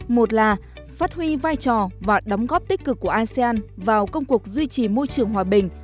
một là phát huy vai trò và đóng góp tích cực của asean vào công cuộc duy trì môi trường hòa bình